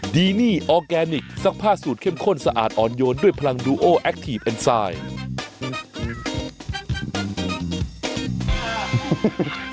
ดีนี่ออร์แกนิคซักผ้าสูตรเข้มข้นสะอาดอ่อนโยนด้วยพลังดูโอแอคทีฟเอ็นไซด์